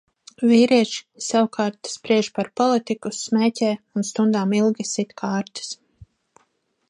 Vīrieši savukārt spriež par politiku, smēķē un stundām ilgi sit kārtis.